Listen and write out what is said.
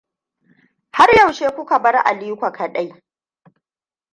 Har yaushe kuka bar Aliko kadai?